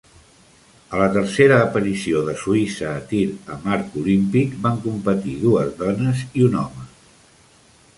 A la tercera aparició de Suïssa a tir amb arc olímpic van competir dues dones i un home.